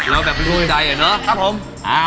แล้วแบบฝุ่งใจเนาะ